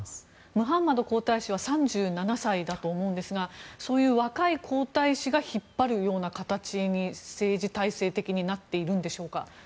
ムハンマド皇太子は３７歳だと思うんですがそういう若い皇太子が引っ張るような形に政治体制的になっているんでしょうか。